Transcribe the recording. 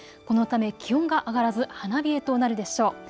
このため気温が上がらず花冷えとなるでしょう。